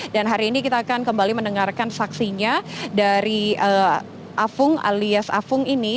dan hari ini kita akan kembali mendengarkan saksinya dari afung alias afung ini